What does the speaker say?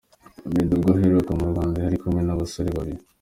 Meddy ubwo aheruka mu Rwanda yari kumwe n’abasore babiri.